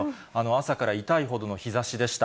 朝から痛いほどの日ざしでした。